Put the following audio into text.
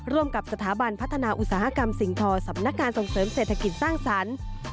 ร่วมกับสถาบันพัฒนาอุตสาหกรรมสิ่งทอสำนักการส่งเสริมเศรษฐกิจสร้างสรรค์